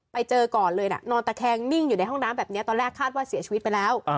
ไปเจอก่อนเลยน่ะนอนตะแคงนิ่งอยู่ในห้องน้ำแบบนี้ตอนแรกคาดว่าเสียชีวิตไปแล้ว